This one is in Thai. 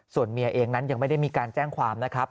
ส่วนเมียเองนั้นยังไม่ได้มีการแจ้งความนะครับ